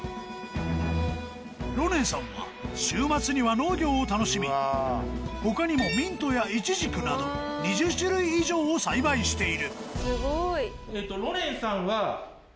ロネンさんは週末には農業を楽しみほかにもミントやイチジクなど２０種類以上を栽培しているロネンさんは。